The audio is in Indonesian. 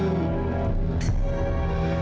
aku mencintai isa